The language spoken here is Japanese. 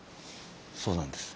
そうなんです。